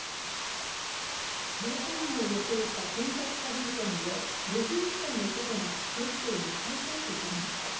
商社マンを装った婚活詐欺事件で５１歳の男が警視庁に再逮捕されました。